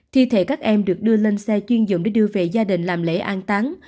thi thể các em được đưa lên xe chuyên dụng để đưa về gia đình làm lễ an tán